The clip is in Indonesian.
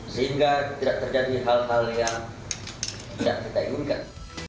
sehingga tidak terjadi hal hal yang tidak kita inginkan